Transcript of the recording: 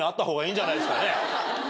じゃないですか。